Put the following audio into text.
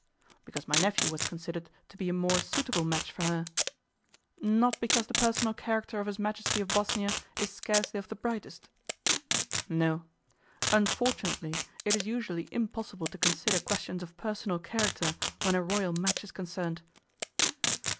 'Because my nephew was considered to be a more suitable match for her.' 'Not because the personal character of his Majesty of Bosnia is scarcely of the brightest?' 'No. Unfortunately it is usually impossible to consider questions of personal character when a royal match is concerned.